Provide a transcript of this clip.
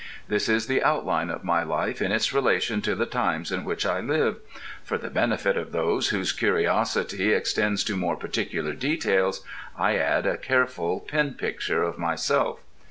This is the outline of my life in its relation to the times in which I live. For the benefit of those whose curiosity extends to more particular details, I add a careful pen picture of myself.